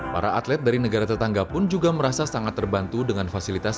para atlet dari negara tetangga pun juga merasa sangat terbantu dengan fasilitas